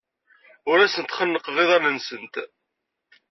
Ur asent-xennqeɣ iḍan-nsent.